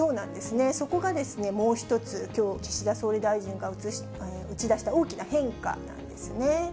そこがもう１つ、きょう、岸田総理大臣が打ち出した大きな変化なんですね。